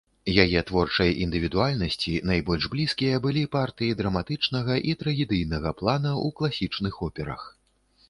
Яе творчай індывідуальнасці найбольш блізкія былі партыі драматычнага і трагедыйнага плана ў класічных операх.